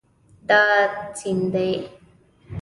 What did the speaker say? دا سیند دی